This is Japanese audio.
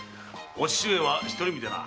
お義父上は独り身でな。